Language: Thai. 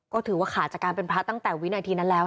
ก็ถือว่าขาดจากการเป็นพระตั้งแต่วินาทีนั้นแล้ว